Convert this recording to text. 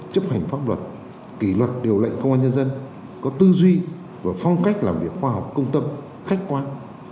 chấp hành pháp luật kỷ luật điều lệnh công an nhân dân có tư duy và phong cách làm việc khoa học công tâm khách quan